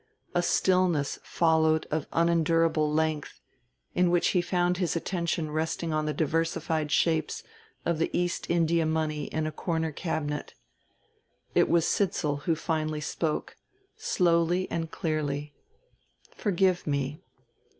A stillness followed of unendurable length, in which he found his attention resting on the diversified shapes of the East India money in a corner cabinet. It was Sidsall who finally spoke, slowly and clearly: "Forgive me."